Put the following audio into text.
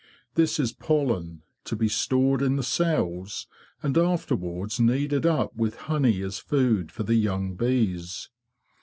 This is pollen, to be stored in the cells, and afterwards kneaded up with honey as food for the young bees.